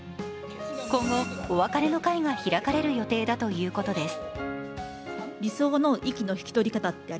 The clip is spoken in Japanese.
今後、お別れの会が開かれる予定だということです。